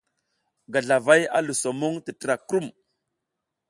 Gazlavay ma luso muŋ tətra krum.